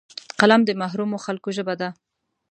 قلم د محرومو خلکو ژبه ده